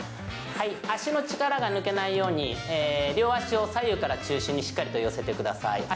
足の力が抜けないように、両足を左右からしっかり寄せてください。